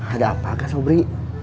ada apa kak sobri